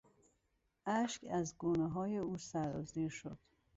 اشک از گونههای او سرازیر شد.